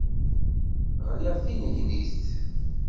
Ɣliɣ d tinnegnit.